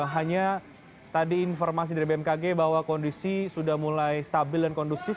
hanya tadi informasi dari bmkg bahwa kondisi sudah mulai stabil dan kondusif